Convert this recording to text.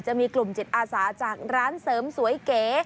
จะมีกลุ่มจิตอาสาจากร้านเสริมสวยเก๋